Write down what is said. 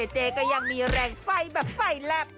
เจ๊ก็ยังมีแรงไฟแบบไฟแลบ